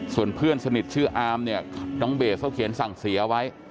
ส่วนเพื่อนสนิทชื่ออามเนี่ยน้องเบสเขาเขียนสั่งเสียไว้